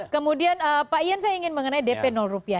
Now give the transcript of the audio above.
kemudian pak ian saya ingin mengenai dp rupiah